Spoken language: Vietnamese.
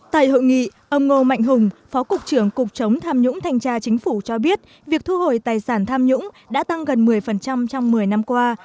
tại hội nghị ông ngô mạnh hùng phó cục trưởng cục chống tham nhũng thanh tra chính phủ cho biết việc thu hồi tài sản tham nhũng đã tăng gần một mươi trong một mươi năm qua